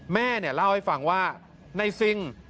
แม่เนี่ยเล่าให้ฟังว่าในซิง